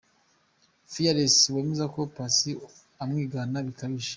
Fearless wemeza ko Paccy amwigana bikabije.